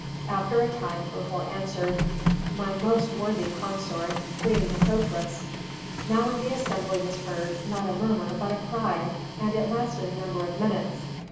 After a time Herhor answered: "My most worthy consort, Queen Nikotris " Now in the assembly was heard, not a murmur, but a cry, and it lasted a number of minutes.